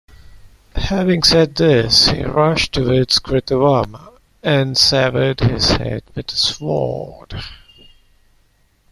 Having said this he rushed towards Kritavarma and severed his head with a sword.